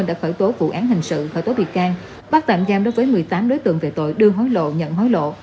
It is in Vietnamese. đã khởi tố vụ án hình sự khởi tố bị can bắt tạm giam đối với một mươi tám đối tượng về tội đưa hối lộ nhận hối lộ